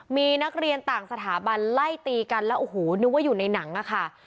มีนักเรียนต่างสถาบันไล่ตีกันแล้วโอ้โหนึกว่าอยู่ในหนังอะค่ะ